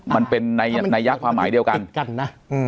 มันเป็นนัยยากภาคหมายเดียวกัน